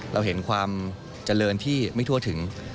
เราเห็นความเจริญที่ไม่ทั่วถึง